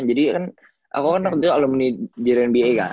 jadi kan aku kan ngerjain alumni jnba kan